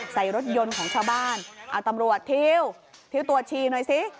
ใส่รถยนต์ของชาวบ้านเอาตำรวจทิ้วทิวตัวชีหน่อยสิ